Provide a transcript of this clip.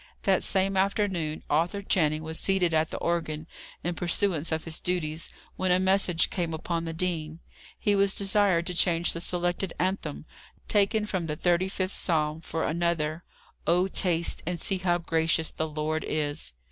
That same afternoon Arthur Channing was seated at the organ in pursuance of his duty, when a message came up from the dean. He was desired to change the selected anthem, taken from the thirty fifth Psalm, for another: "O taste, and see, how gracious the Lord is!"